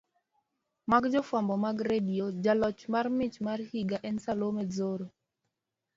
mag jofwambo mag redio jaloch mar mich mar higa en Salome Dzoro